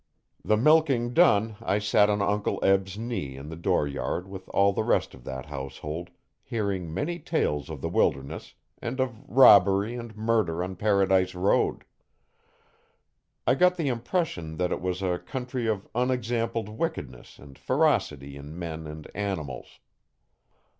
The milking done, I sat on Uncle Eb's knee in the door yard with all the rest of that household, hearing many tales of the wilderness, and of robbery and murder on Paradise Road. I got the impression that it was a country of unexampled wickedness and ferocity in men and animals.